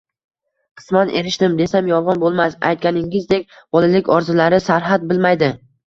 – Qisman erishdim, desam yolg‘on bo‘lmas. Aytganingizdek, bolalik orzulari sarhad bilmaydi.